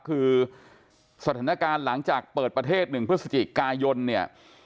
คือสถานการณ์หลังจากเปิดประเทศ๑พฤศจิกายนเนี่ย